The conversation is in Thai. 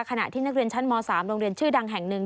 ขณะที่นักเรียนชั้นม๓โรงเรียนชื่อดังแห่งหนึ่ง